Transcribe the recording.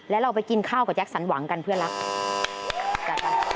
แล้วเราไปกินข้าวกับแก๊สันหวังกันเพื่อรัก